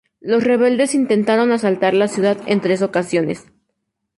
Los rebeldes intentaron asaltar la ciudad en tres ocasiones.